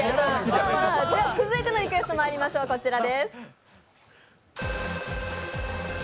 続いてのリクエスト、まいりましょう、こちらです。